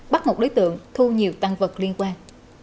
bắt một đối tượng thu nhiều tăng vật liên quan